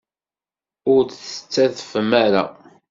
Ur d-tettadfem ara?